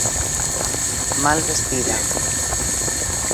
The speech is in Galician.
Mal vestida.